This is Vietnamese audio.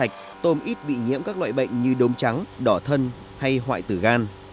nó sạch tôm ít bị nhiễm các loại bệnh như đốm trắng đỏ thân hay hoại tử gan